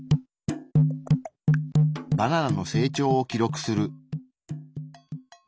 バナナの成長を記録する。